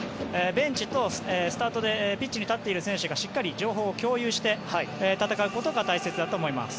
ベンチとスタートでピッチに立っている選手がしっかり情報を共有して戦うことが大切だと思います。